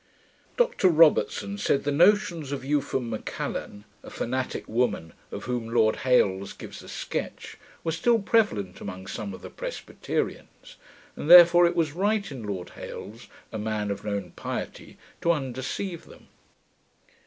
Dr Robertson said, the notions of Eupham Macallan. a fanatick woman, of whom Lord Hailes gives a sketch, were still prevalent among some of the Presbyterians; and therefore it was right in Lord Hailes, a man of known piety, to undeceive them.